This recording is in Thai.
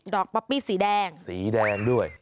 ป๊อปปี้สีแดงสีแดงด้วย